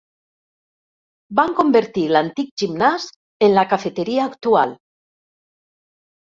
Van convertir l'antic gimnàs en la cafeteria actual.